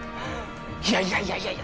いやいやいや。